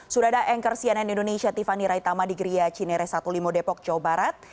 sudah ada anchor cnn indonesia tiffany raitama di geria cinere satu lima depok jawa barat